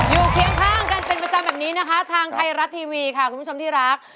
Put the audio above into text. เคียงข้างกันเป็นประจำแบบนี้นะคะทางไทยรัฐทีวีค่ะคุณผู้ชมที่รัก